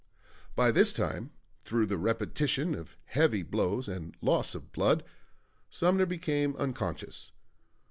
By this time, through the repetition of the heavy blows and loss of blood, Sumner became unconscious.